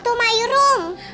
aku mau tidur di kamar aku